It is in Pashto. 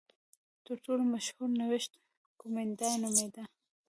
تر ټولو مشهور نوښت کومېنډا نومېده.